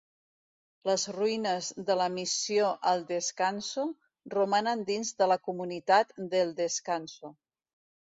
Les ruïnes de la Missió El Descanso romanen dins de la comunitat d'El Descanso.